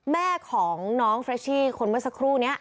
แม่ของน้องเฟรชชี่คนเมื่อสักครู่นี้